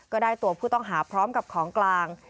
ก็ได้ตัวผู้ต้องหาพร้อมกับของกลาง